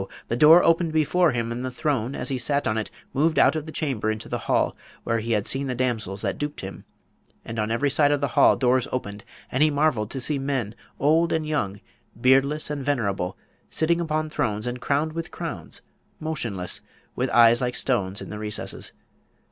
the door opened before him, and the throne as he sat on it moved out of the chamber into the hall where he had seen the damsels that duped him, and on every side of the hall doors opened; and he marvelled to see men, old and young, beardless and venerable, sitting upon thrones and crowned with crowns, motionless, with eyes like stones in the recesses.